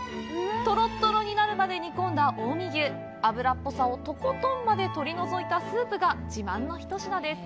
とろとろになるまで煮込んだ近江牛脂っぽさをとことんまで取り除いたスープが自慢の一品です。